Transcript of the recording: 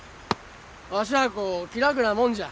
わしゃあこ気楽なもんじゃ。